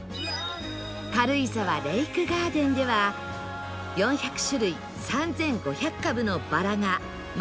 軽井沢レイクガーデンでは４００種類３５００株のバラがまもなく見頃